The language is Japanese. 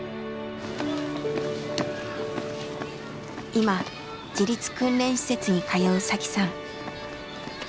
今自立訓練施設に通う紗輝さん。